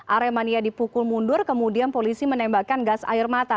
aremania dipukul mundur kemudian polisi menembakkan gas air mata